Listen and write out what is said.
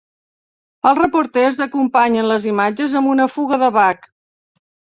Els reporters acompanyen les imatges amb una fuga de Bach.